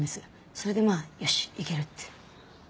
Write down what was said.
それでまあよしいける！って。